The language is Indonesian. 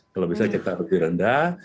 kalau bisa cetak lebih rendah